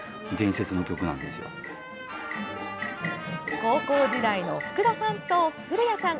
高校時代の福田さんと古谷さん。